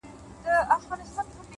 که ستا د حسن د رڼا تصوير په خوب وويني _